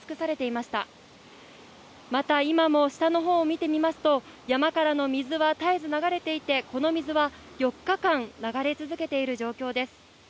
また今も下のほうを見ていますと、山からの水は絶えず流れていて、この水は４日間流れ続けている状況です。